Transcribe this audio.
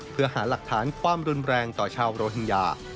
เพื่อหาหลักฐานความรุนแรงต่อชาวโรฮิงญา